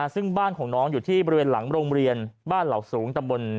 ซึ่งบ้านของน้องอยู่ที่บริเวณหลังโรงเรียนบ้านเหล่าสูงตำบล